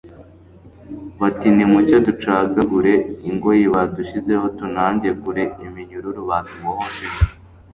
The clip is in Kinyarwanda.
bati nimucyo ducagagure ingoyi badushyizeho, tunage kure iminyururu batubohesheje